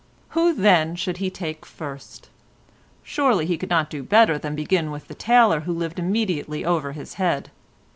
Who then should he take first? Surely he could not do better than begin with the tailor who lived immediately over his head.